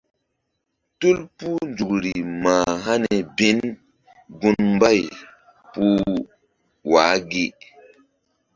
Tul puh nzukri mah hani bin gun mbay puh wa gi.